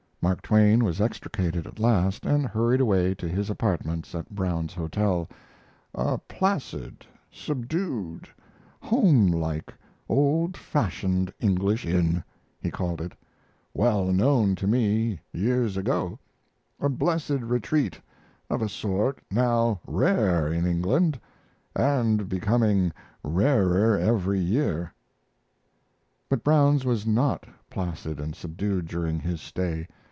Mark Twain was extricated at last, and hurried away to his apartments at Brown's Hotel, "a placid, subdued, homelike, old fashioned English inn," he called it, "well known to me years ago, a blessed retreat of a sort now rare in England, and becoming rarer every year." But Brown's was not placid and subdued during his stay.